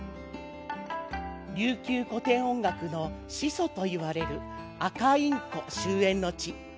琉球古典音楽の始祖といわれる赤犬子終えんの地。